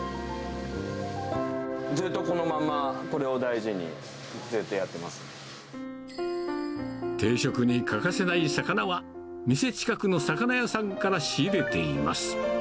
ずっとこのまま、これを大事定食に欠かせない魚は、店近くの魚屋さんから仕入れています。